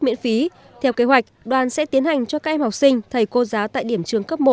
miễn phí theo kế hoạch đoàn sẽ tiến hành cho các em học sinh thầy cô giáo tại điểm trường cấp một